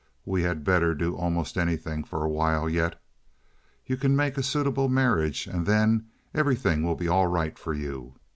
We had better do almost anything for a while yet. You can make a suitable marriage, and then everything will be all right for you.